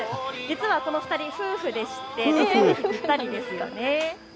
実はこの２人、夫婦でして息ぴったりですよね。